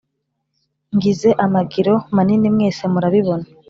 ngize amagiro maninimwese murabibona